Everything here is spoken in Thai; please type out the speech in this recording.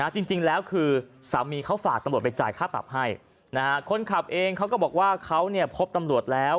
จริงแล้วคือสามีเขาฝากตำรวจไปจ่ายค่าปรับให้คนขับเองเขาก็บอกว่าเขาพบตำรวจแล้ว